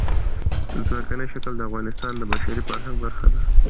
ځمکنی شکل د افغانستان د بشري فرهنګ برخه ده.